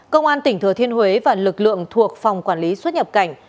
công an tỉnh thừa thiên huế và lực lượng thuộc phòng quản lý xuất nhập cảnh